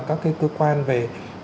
các cái cơ quan về